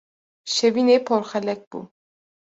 Şevînê porxelek bû.